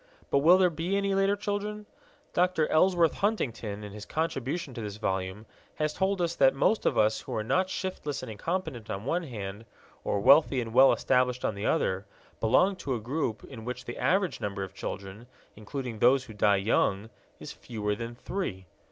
But will there be any later children? Dr. Ellsworth Huntington in his contribution to this volume has told us that most of us who are not shiftless and incompetent, on one hand, or wealthy and well established, on the other, belong to a group in which the average number of children, including those who die young, is fewer than three.